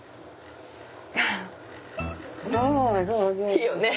いいよね。